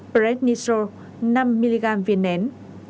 prednitro năm mg viên nén